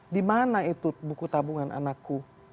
dimana itu buku tabungan anakku